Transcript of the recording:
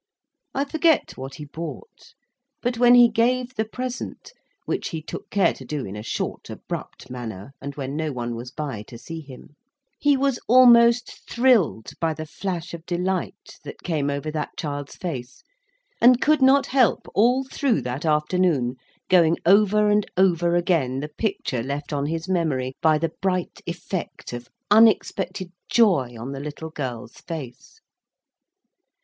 I forget what he bought; but, when he gave the present (which he took care to do in a short abrupt manner, and when no one was by to see him) he was almost thrilled by the flash of delight that came over that child's face, and could not help all through that afternoon going over and over again the picture left on his memory, by the bright effect of unexpected joy on the little girl's face.